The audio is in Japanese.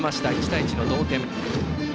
１対１の同点。